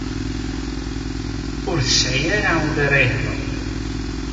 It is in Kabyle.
Ur tesɛi ara ul ara ihedren.